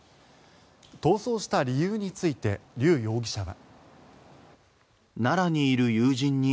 逃走した理由についてリュウ容疑者は。